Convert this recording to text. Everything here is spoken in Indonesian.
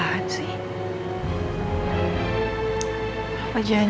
maksudnya mikir sama reason